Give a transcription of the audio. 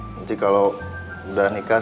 nanti kalau udah nikah